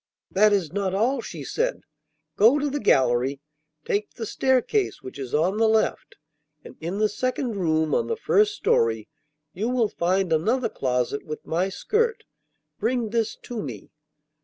'That is not all,' she said. 'Go to the gallery, take the staircase which is on the left, and in the second room on the first story you will find another closet with my skirt. Bring this to me.